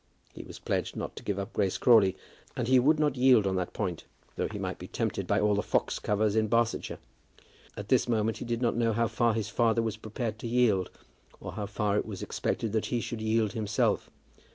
He was pledged not to give up Grace Crawley, and he would not yield on that point, though he might be tempted by all the fox covers in Barsetshire. At this moment he did not know how far his father was prepared to yield, or how far it was expected that he should yield himself.